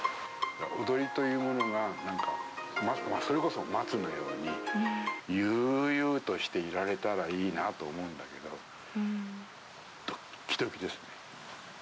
だから踊りというものがそれこそ松のように悠々としていられたらいいなと思うんだけどドッキドキですね。